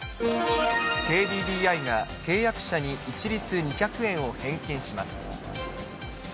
ＫＤＤＩが契約者に一律２００円を返金します。